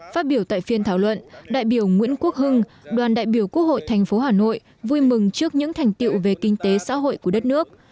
phát biểu tại phiên thảo luận đại biểu nguyễn quốc hưng đoàn đại biểu quốc hội thành phố hà nội vui mừng trước những thành tiệu về kinh tế xã hội của đất nước